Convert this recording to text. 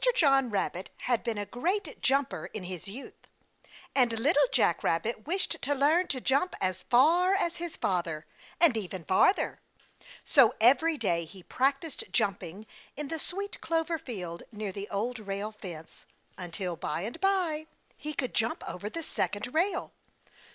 JOHN RABBIT had been a great jumper in his youth, and Little Jack Rabbit wished to learn to jump as far as his father, and even farther. So every day he practiced jumping in the Sweet Clover Field near the Old Rail Fence until by and by he could jump over the second rail.